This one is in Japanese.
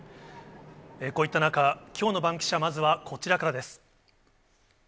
こういった中、きょうのバンキシャ、まずはこちらからです。